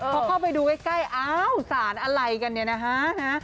พอเข้าไปดูใกล้อ้าวสารอะไรกันเนี่ยนะฮะ